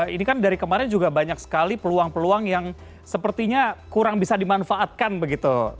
ini kan dari kemarin juga banyak sekali peluang peluang yang sepertinya kurang bisa dimanfaatkan begitu